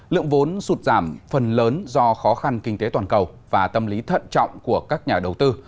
lượng vốn sụt giảm phần lớn do khó khăn kinh tế toàn cầu và tâm lý thận trọng của các nhà đầu tư